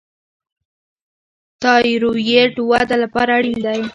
تایرویډ وده لپاره اړین دی.